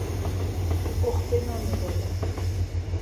Oxvenoni vore.